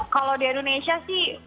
kalau di indonesia sih